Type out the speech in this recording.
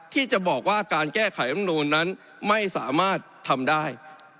ที่จะบอกว่าการแก้ไขรำนูนนั้นไม่สามารถทำได้